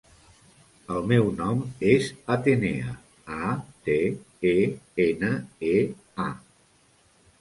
El meu nom és Atenea: a, te, e, ena, e, a.